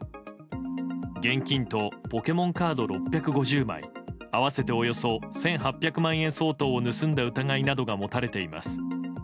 現金とポケモンカード６５０枚合わせておよそ１８００万円相当などを盗んだ疑いが持たれています。